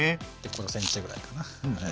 ５ｃｍぐらいかな。